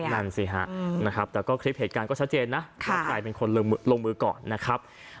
นั่นสิค่ะแต่ก็คลิปเหตุการณ์ก็ชัดเจนนะ